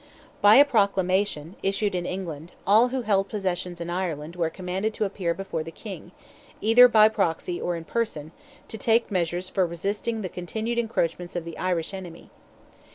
By a proclamation, issued in England, all who held possessions in Ireland were commanded to appear before the King, either by proxy or in person, to take measures for resisting the continued encroachments of the Irish enemy.